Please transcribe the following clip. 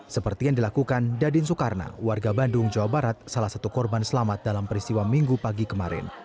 seperti yang dilakukan dadin soekarno warga bandung jawa barat salah satu korban selamat dalam peristiwa minggu pagi kemarin